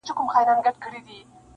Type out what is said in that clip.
حیوانان یې وه بارونو ته بللي-